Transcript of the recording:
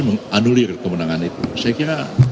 menganulir kemenangan itu saya kira